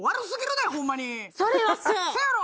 そやろ？